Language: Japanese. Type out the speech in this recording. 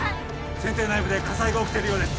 船底内部で火災が起きているようです